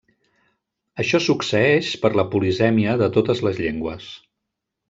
Això succeeix per la polisèmia de totes les llengües.